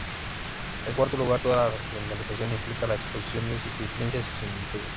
En cuarto lugar, toda regionalización implica la exposición de diferencias y similitudes.